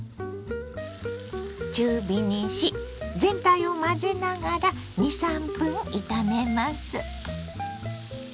中火にし全体を混ぜながら２３分炒めます。